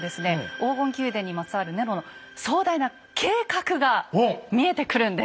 黄金宮殿にまつわるネロの壮大な計画が見えてくるんです。